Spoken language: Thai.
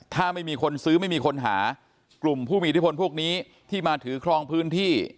ถ้าไม่มีคนซื้อไม่มีคนหากลุ่มผู้มีอิทธิพลพวกนี้ที่มาถือครองพื้นที่